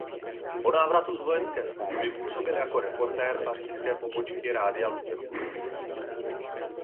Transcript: Po návratu z vojenské služby působil jako reportér pařížské pobočky Rádia Luxembourg.